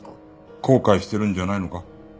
後悔してるんじゃないのか？